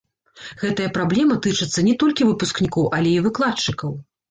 Гэтая праблема тычыцца не толькі выпускнікоў, але і выкладчыкаў.